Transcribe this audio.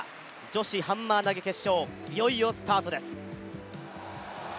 女子ハンマー投決勝、いよいよスタートです。